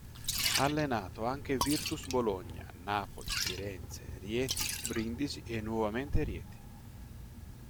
Ha allenato anche Virtus Bologna, Napoli, Firenze, Rieti, Brindisi e nuovamente Rieti.